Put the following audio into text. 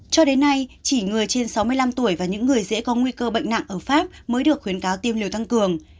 cho đến nay chỉ người trên sáu mươi năm tuổi và những người dễ có nguy cơ bệnh nặng ở pháp mới được khuyến cáo tiêm liều tăng cường